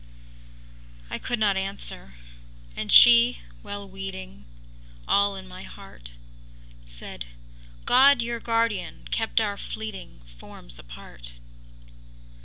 ” I could not answer. And she, well weeting All in my heart, Said: “God your guardian kept our fleeting Forms apart!